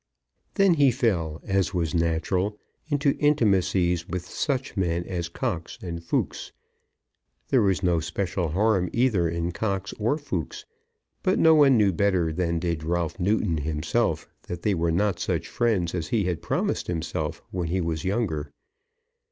Then he fell, as was natural, into intimacies with such men as Cox and Fooks. There was no special harm either in Cox or Fooks; but no one knew better than did Ralph Newton himself that they were not such friends as he had promised himself when he was younger.